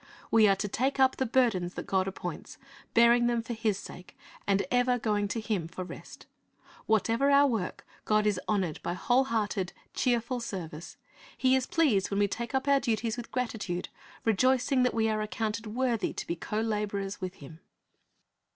We are to take up the burdens that God appoints, bearing them for His sake, and ever going to Him for rest. Whatever our work, God is honored by whole hearted, cheerful service. He is pleased when we take up our duties with gratitude, rejoicing that we are accounted worthy to be co laborers with Him.